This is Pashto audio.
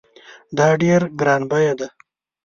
دا ډېر ګران بیه دی